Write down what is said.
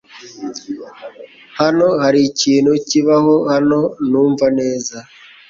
Hano hari ikintu kibaho hano ntumva neza.